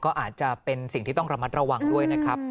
ก็อาจจะเป็นสิ่งที่ต้องระมัดระวังด้วยนะครับ